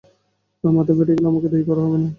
মাথা ফেটে গেলে, আমাকেই দায়ী করা হবে।